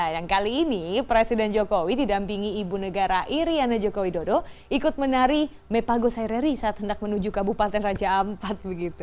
yang kali ini presiden jokowi didampingi ibu negara iriana jokowi dodo ikut menari me pago saireri saat hendak menuju kabupaten raja ampat